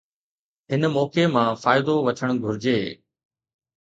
هن موقعي مان فائدو وٺڻ گهرجي.